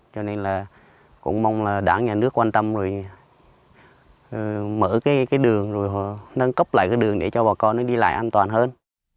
cho nên là cũng mong là đảng nhà nước quan tâm rồi mở cái đường rồi nâng cấp lại cái đường để cho bà con nó đi lại an toàn hơn